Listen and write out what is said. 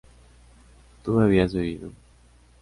¿tú habías bebido?